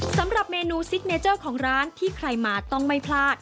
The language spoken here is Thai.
สำหรับเมนูซิกเนเจอร์ของร้านที่ใครมาต้องไม่พลาด